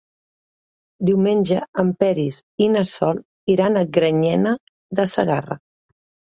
Diumenge en Peris i na Sol iran a Granyena de Segarra.